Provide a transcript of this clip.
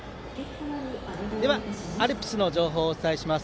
では、アルプスの情報をお伝えします。